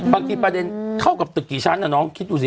ประเด็นเข้ากับตึกกี่ชั้นน้องคิดดูสิ